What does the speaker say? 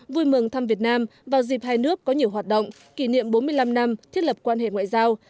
vui mừng thăm việt nam vào dịp hai nước có nhiều hoạt động kỷ niệm bốn mươi năm năm thiết lập quan hệ ngoại giao